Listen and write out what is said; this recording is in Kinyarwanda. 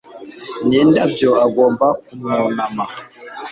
Ni indabyo agomba kumwunama